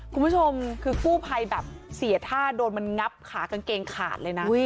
คุณผู้ชมคือกู้ภัยแบบเสียท่าโดนมันงับขากางเกงขาดเลยนะ